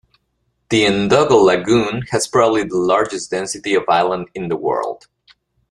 The Ndogo Lagoon has probably the largest density of island in the world.